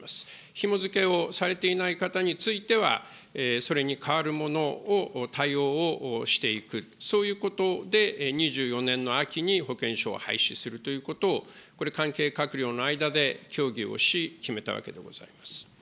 ひも付けをされていない方については、それに代わるものを対応をしていく、そういうことで２４年の秋に保険証を廃止するということを、これ、関係閣僚の間で協議をし、決めたわけでございます。